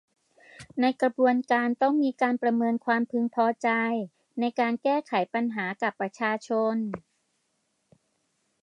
ในกระบวนการต้องมีการประเมินความพึงพอใจในการแก้ไขปัญหากับประชาชน